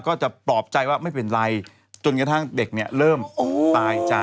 ก็จะปลอบใจว่าไม่เป็นไรจนกระทั่งเด็กเนี่ยเริ่มตายใจ